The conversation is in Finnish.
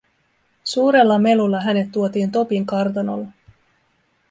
Suurella melulla hänet tuotiin Topin kartanolle.